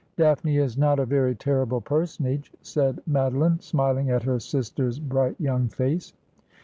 'Daphne is not a very terrible personage,' said Madoline, smiling at her sister's bright young face.